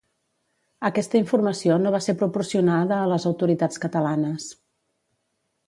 Aquesta informació no va ser proporcionada a les autoritats catalanes.